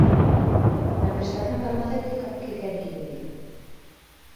Na prestación farmacéutica, ¿que quere que lle diga?